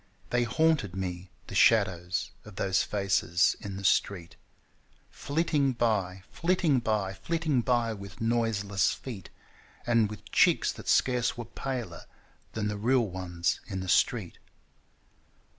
They haunted me the shadows of those faces in the street, Flitting by, flitting by, Flitting by with noiseless feet, And with cheeks that scarce were paler than the real ones in the street.